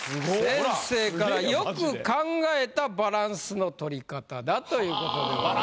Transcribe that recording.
先生から「よく考えたバランスの取り方」だという事でございました。